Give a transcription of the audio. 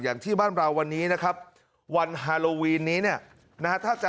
อย่างที่บ้านเราวันนี้นะครับวันฮาโลวีนนี้เนี่ยนะฮะถ้าจะ